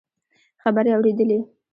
خبرې اورېدلې.